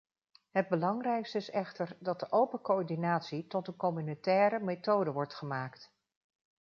Het belangrijkste is echter dat de open coördinatie tot een communautaire methode wordt gemaakt.